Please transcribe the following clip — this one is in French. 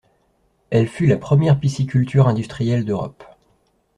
Elle fut la première pisciculture industrielle d'Europe.